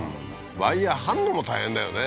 ワイヤー張んのも大変だよね